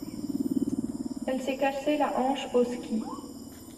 Elle s'est cassée la hanche au ski.